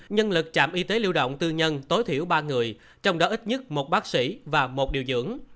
nhân lực trạm y tế lưu động tư nhân tối thiểu ba người trong đó ít nhất một bác sĩ và một điều dưỡng